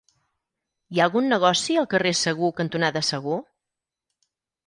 Hi ha algun negoci al carrer Segur cantonada Segur?